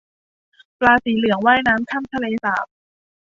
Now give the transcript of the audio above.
ปลาสีเหลืองว่ายน้ำข้ามทะเลสาบ